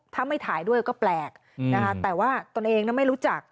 ถ้าไม่ถ่ายด้วยก็แปลกนะคะแต่ว่าตนเองไม่รู้จัก